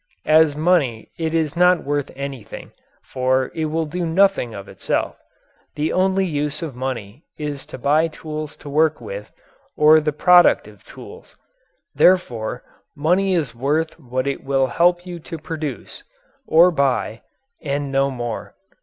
As money it is not worth anything, for it will do nothing of itself. The only use of money is to buy tools to work with or the product of tools. Therefore money is worth what it will help you to produce or buy and no more.